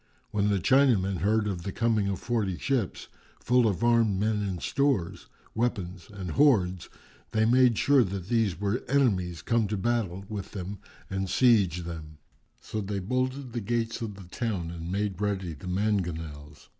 When the Chinamen heard of the coming of forty ships, full of armed men and stores, weapons and hoards, they made sure that these were enemies come to battle with them and seige them; so they bolted the gates of the town and made ready the mangonels.